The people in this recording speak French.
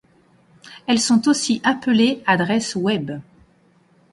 Elles sont aussi appelées adresses web.